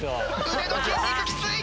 腕の筋肉きつい！